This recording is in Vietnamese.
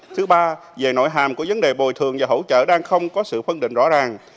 thứ ba về nội hàm của vấn đề bồi thường và hỗ trợ đang không có sự phân định rõ ràng